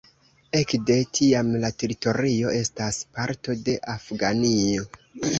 Ekde tiam la teritorio estas parto de Afganio.